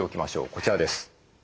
こちらです。